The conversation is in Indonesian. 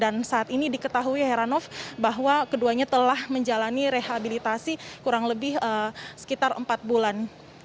saat ini diketahui heranov bahwa keduanya telah menjalani rehabilitasi kurang lebih sekitar empat bulan